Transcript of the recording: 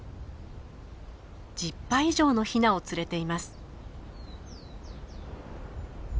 １０羽以上のヒナを連れています。